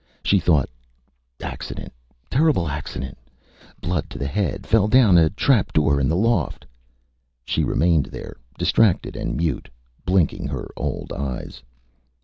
She thought: accident terrible accident blood to the head fell down a trap door in the loft. ... She remained there, distracted and mute, blinking her old eyes.